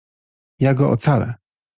Ja go ocalę!